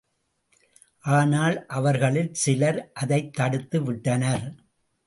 ஆனால், அவர்களில் சிலர் அதைத் தடுத்து விட்டனர்.